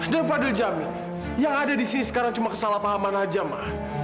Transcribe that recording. dan fadil jamin yang ada di sini sekarang cuma kesalahpahaman aja ma